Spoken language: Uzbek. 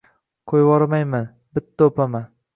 — Qo‘yvormayman. Bitta o‘paman!..